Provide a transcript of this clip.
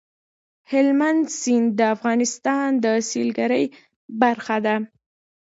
هلمند سیند د افغانستان د سیلګرۍ برخه ده.